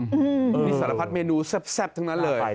นี่สารพัดเมนูแซ่บทั้งนั้นเลย